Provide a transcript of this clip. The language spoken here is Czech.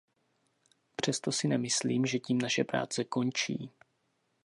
Přesto si nemyslím, že tím naše práce končí.